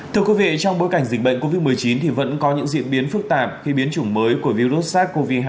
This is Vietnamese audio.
thưa quý vị trong bối cảnh dịch bệnh covid một mươi chín thì vẫn có những diễn biến phức tạp khi biến chủng mới của virus sars cov hai